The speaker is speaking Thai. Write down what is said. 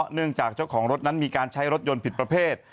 เนื่องจากเจ้าของรถนั้นมีการใช้รถยนต์ผิดประเภท